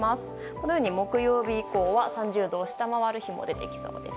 このように木曜日以降は３０度を下回る日も出てきそうです。